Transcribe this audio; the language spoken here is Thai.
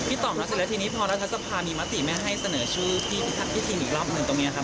พี่ตอบนะครับทีนี้พอรัฐสภาพมีมติไม่ให้เสนอชื่อพี่ทักพิธีนอีกรอบหนึ่งตรงนี้ครับ